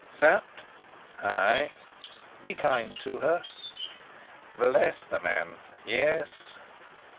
"Sapt!" "Ay?" "Be kind to her." "Bless the man, yes!"